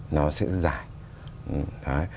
nó sẽ dài